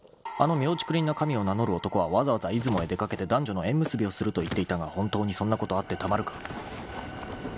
［あのみょうちくりんな神を名乗る男はわざわざ出雲へ出掛けて男女の縁結びをすると言っていたが本当にそんなことあってたまるか］